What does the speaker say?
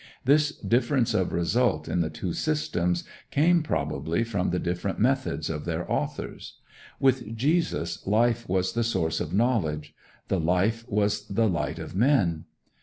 This difference of result in the two systems came probably from the different methods of their authors. With Jesus life was the source of knowledge; the life was the light of men.